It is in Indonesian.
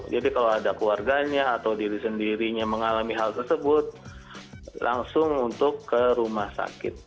jadi kalau ada keluarganya atau diri sendirinya mengalami hal tersebut langsung untuk ke rumah sakit